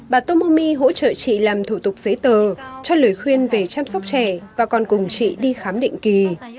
bà tomomi hỗ trợ chị làm thủ tục giấy tờ cho lời khuyên về chăm sóc trẻ và còn cùng chị đi khám định kỳ